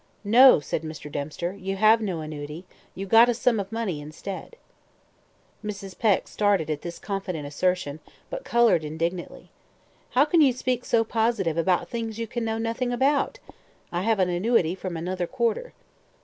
"No," said Mr. Dempster, "you have no annuity; you got a sum of money instead." Mrs. Peck started at this confident assertion, and coloured indignantly. "How can you speak so positive about things you can know nothing about? I have an annuity from another quarter."